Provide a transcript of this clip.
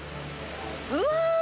うわ！